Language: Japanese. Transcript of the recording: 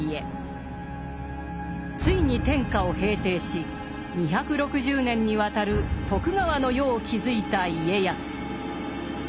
ついに天下を平定し２６０年にわたる徳川の世を築いた家康。